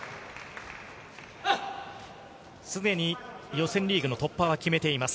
すでに予選リーグの突破は決めています。